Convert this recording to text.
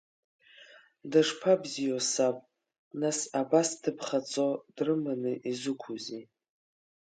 Дышԥабзиоу саб, нас абас дыԥхаҵо дрыманы изықәузеи?